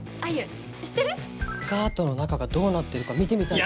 スカートの中がどうなってるか見てみたいとか。